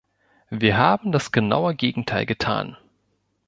Wir haben das genaue Gegenteil getan.